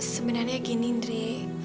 sebenarnya gini ndre